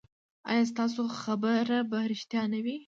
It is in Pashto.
ایا ستاسو خبر به ریښتیا نه وي؟